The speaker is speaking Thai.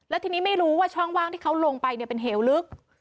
แล้วทีนี้ไม่รู้ว่าช่องว่างที่เขาลงไปเป็นเหวลึก